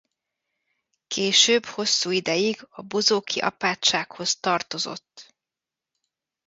Később hosszú ideig a bozóki apátsághoz tartozott.